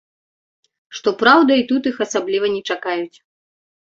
Што праўда, і тут іх асабліва не чакаюць.